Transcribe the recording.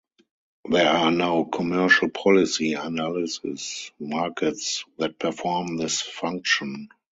There are now commercial policy analysis markets that perform this function.